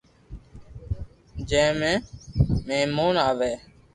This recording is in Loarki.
جي مي مھمون آوي